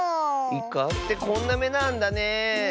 イカってこんなめなんだね。